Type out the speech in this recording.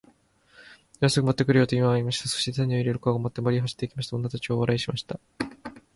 「今すぐ持って来るよ。」とイワンは言いました。そして種を入れる籠を持って森へ走って行きました。女たちは大笑いしました。